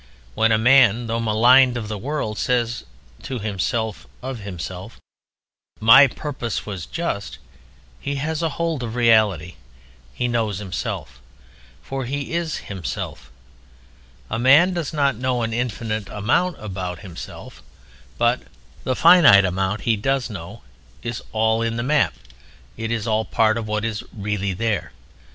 When a man, though maligned of the world, says to himself of himself, "My purpose was just," he has hold of reality. He knows himself, for he is himself. A man does not know an infinite amount about himself. But the finite amount he does know is all in the map; it is all part of what is really there.